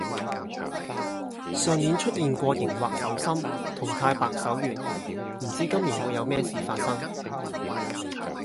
上年出現過熒惑守心同太白守月，唔知今年會有咩事發生